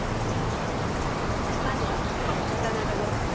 まずは渡辺ご夫妻。